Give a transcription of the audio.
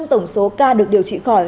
năm tổng số ca được điều trị khỏi